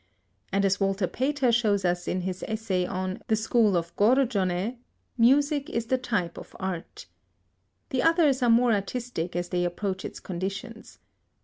And as Walter Pater shows us in his essay on "The School of Giorgione," "music is the type of art." The others are more artistic as they approach its conditions.